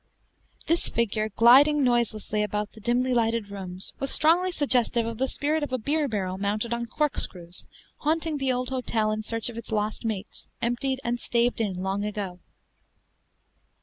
This figure, gliding noiselessly about the dimly lighted rooms, was strongly suggestive of the spirit of a beer barrel mounted on corkscrews, haunting the old hotel in search of its lost mates, emptied and staved in long ago.